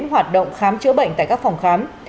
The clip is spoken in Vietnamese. hoạt động khám chữa bệnh tại các phòng khám